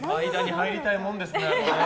入りたいもんですね。